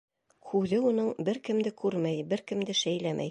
Күҙе уның бер кемде күрмәй, бер кемде шәйләмәй.